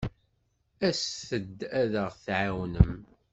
Aset-d ad aɣ-tɛawnem.